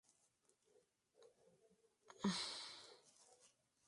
El fruto es un pequeño aquenio de hasta un milímetro de largo.